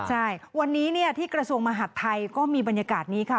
ใช่วันนี้ที่กระทรวงมหาดไทยก็มีบรรยากาศนี้ค่ะ